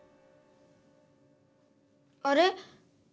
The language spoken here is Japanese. あれ？